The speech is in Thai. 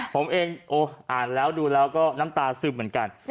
ผมเองอ่านแล้วดูแล้วก็น้ำตาซึมเหมือนกัน